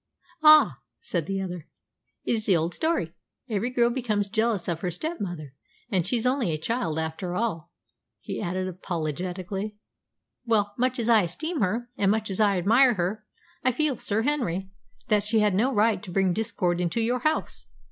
"Ah!" sighed the other, "it is the old story. Every girl becomes jealous of her step mother. And she's only a child, after all," he added apologetically. "Well, much as I esteem her, and much as I admire her, I feel, Sir Henry, that she had no right to bring discord into your house.